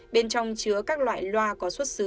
bên trong chứa các loại loa có xuất xứ